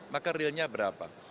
maka realnya berapa